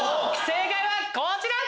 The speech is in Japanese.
正解はこちら！